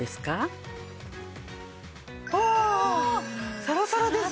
わサラサラですね！